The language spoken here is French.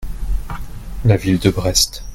La ville de Brest.